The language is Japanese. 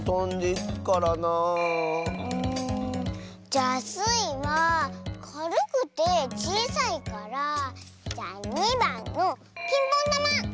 じゃあスイはかるくてちいさいからじゃ２ばんのピンポンだま！